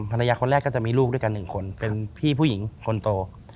ภรรยาคนแรกก็จะมีลูกด้วยกัน๑คนเป็นพี่ผู้หญิงคนโต